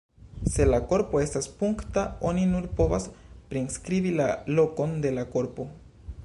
Se la korpo estas punkta, oni nur povas priskribi la lokon de la korpo.